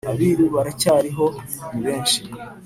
Abiru baracyariho ni benshi